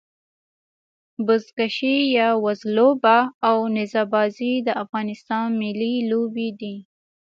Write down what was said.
بزکشي يا وزلوبه او نيزه بازي د افغانستان ملي لوبي دي.